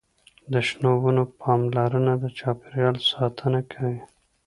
د شنو ونو پاملرنه د چاپیریال ساتنه کوي.